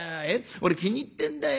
俺気に入ってんだよ。